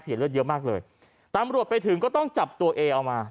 เลือดเยอะมากเลยตำรวจไปถึงก็ต้องจับตัวเอเอามา